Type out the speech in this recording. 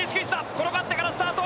転がってからスタート！